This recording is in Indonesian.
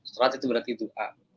sholat itu berarti dua